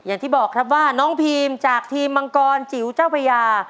อย่างที่บอกครับว่าน้องพีมจากทีมมังกรจิ๋วเจ้าพญา